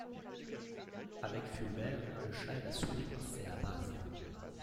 avec Fulbert Le chat et la souris C'est la base.